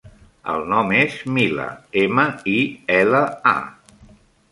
El nom és Mila: ema, i, ela, a.